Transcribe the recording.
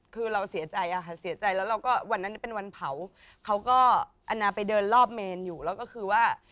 คือเราเสียใจอะค่ะเสียใจแล้วเราก็วันนั้นเป็นวันเผาเขาก็แอนนาไปเดินรอบเมนอยู่แล้วก็คือว่า